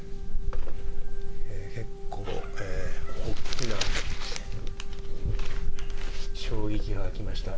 結構大きな衝撃が来ました。